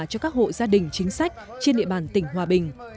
cho các hộ gia đình chính sách trên địa bàn tỉnh hòa bình